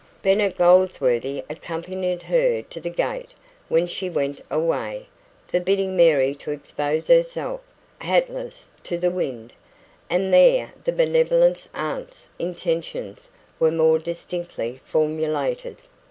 Bennet Goldsworthy accompanied her to the gate when she went away, forbidding Mary to expose herself, hatless, to the wind. And there the benevolent aunt's "intentions" were more distinctly formulated.